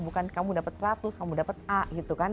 bukan kamu dapat seratus kamu dapat a gitu kan